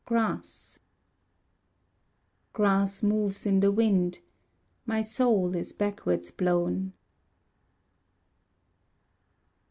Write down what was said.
Grass Grass moves in the wind, My soul is backwards blown.